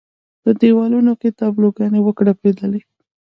په دېوالونو کې تابلو ګانې وکړپېدلې.